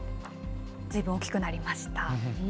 ずいぶん大きくなりました。